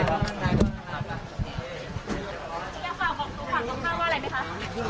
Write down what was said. อยากฝากบ่อนฝั่งตรงข้ามว่าอะไรไหมครับ